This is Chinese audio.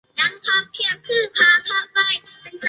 它的作用机理和乙酰半胱氨酸相同。